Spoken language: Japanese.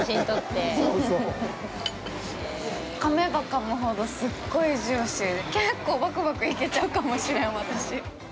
かめばかむほどすっごいジューシーで、結構、バクバクいけちゃうかもしれんわ。